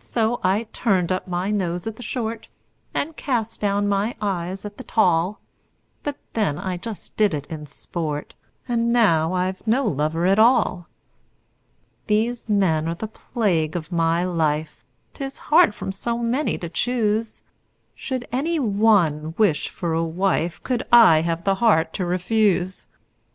So I turned up my nose at the short, And cast down my eyes at the tall; But then I just did it in sport And now I've no lover at all! These men are the plague of my life: 'Tis hard from so many to choose! Should any one wish for a wife, Could I have the heart to refuse?